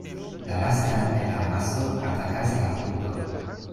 La lastan el amaso atakas la hundo.